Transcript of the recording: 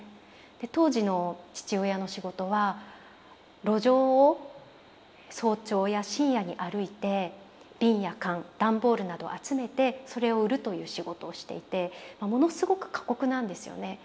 で当時の父親の仕事は路上を早朝や深夜に歩いてビンや缶段ボールなどを集めてそれを売るという仕事をしていてものすごく過酷なんですよね。